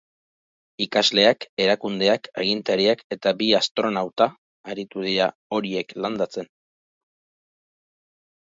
Ikasleak, erakundeak, agintariak eta bi astronauta aritu dira horiek landatzen.